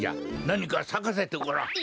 なにかさかせてごらん。